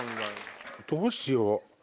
どうしよう。